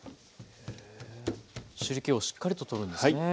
汁けをしっかりと取るんですね。